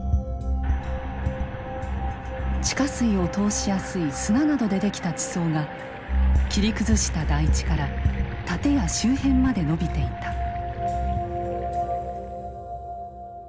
地下水を通しやすい砂などでできた地層が切り崩した台地から建屋周辺まで伸びていた。